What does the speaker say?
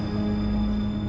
aku bisa sembuh